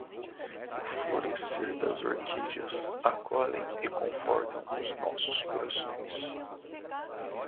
O florescer das orquídeas acolhem e confortam os nossos corações.